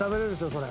それ。